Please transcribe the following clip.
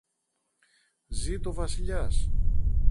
Ζήτω ο Βασιλιάς!